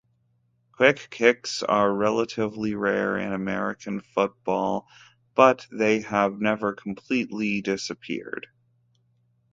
Quick kicks are relatively rare in American football, but they have never completely disappeared.